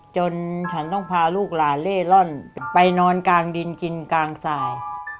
จนฉันต้องพาลูกหลานเล่ร่อนไปนอนกลางดินกินกลางสาย